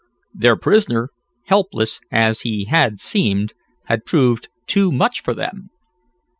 Their prisoner, helpless as he had seemed, had proved too much for them.